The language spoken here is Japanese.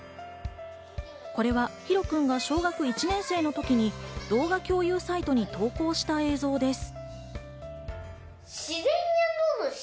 これはヒロくんが小学１年生のときに動画共有サイトに投稿した映像です。